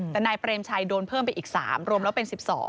แต่นายเปรมชัยโดนเพิ่มไปอีก๓รวมแล้วเป็น๑๒